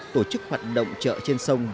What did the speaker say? tổ chức hoạt động chợ trên sông